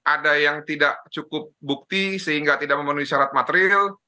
ada yang tidak cukup bukti sehingga tidak memenuhi syarat material